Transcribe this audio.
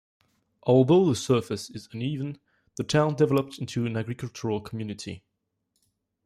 Although the surface is uneven, the town developed into an agricultural community.